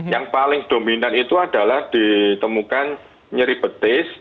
yang paling dominan itu adalah ditemukan nyeri betis